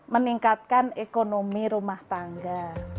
meningkatkan ekonomi rumah tangga